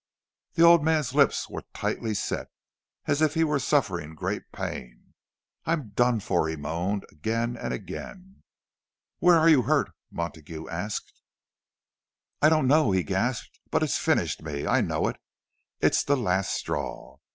The old man's lips were tightly set, as if he were suffering great pain. "I'm done for!" he moaned, again and again. "Where are you hurt?" Montague asked. "I don't know," he gasped. "But it's finished me! I know it—it's the last straw."